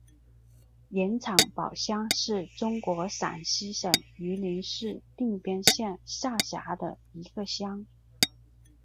盐场堡乡是中国陕西省榆林市定边县下辖的一个乡。